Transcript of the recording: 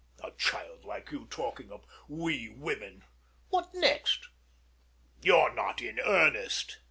A child like you talking of "we women"! What next! You're not in earnest?